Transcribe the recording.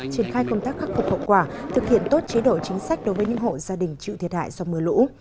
triển khai công tác khắc phục hậu quả thực hiện tốt chế độ chính sách đối với những hộ gia đình chịu thiệt hại do mưa lũ